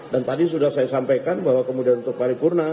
dan tadi sudah saya sampaikan bahwa kemudian untuk paripurna